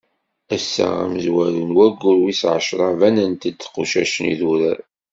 Ass amezwaru n waggur wis ɛecṛa, banent-d tqucac n idurar.